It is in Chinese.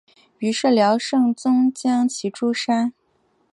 于是辽圣宗将其诛杀。